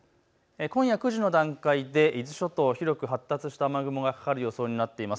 今夜９時の段階で伊豆諸島、広く発達した雨雲がかかる予想になっています。